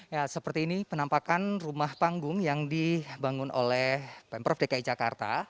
ya seperti ini penampakan rumah panggung yang dibangun oleh pemprov dki jakarta